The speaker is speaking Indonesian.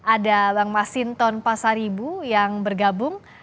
ada bang masinton pasaribu yang bergabung